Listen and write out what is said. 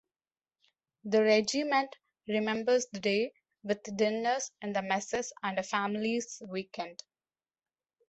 The Regiment remembers the day with dinners in the Messes and a families weekend.